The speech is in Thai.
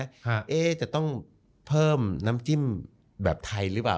เอ๊ะจะต้องเพิ่มน้ำจิ้มแบบไทยหรือเปล่า